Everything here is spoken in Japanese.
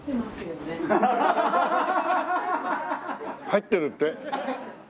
入ってるって？